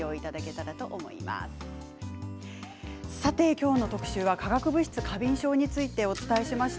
今日の特集は化学物質過敏症についてお伝えしました。